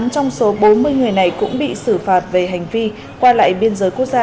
tám trong số bốn mươi người này cũng bị xử phạt về hành vi qua lại biên giới quốc gia